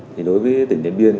đối với tỉnh điện biên